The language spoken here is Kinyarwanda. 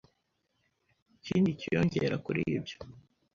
Ikindi cyiyongera kuri ibyo,